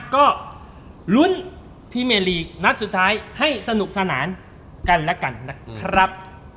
ก็ลุ้นพี่เมลีกนัดสุดท้ายให้สนุกสนานกันแล้วกันนะครับ